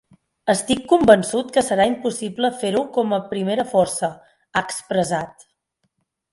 Estic convençut que serà impossible fer-ho com a primera força, ha expressat.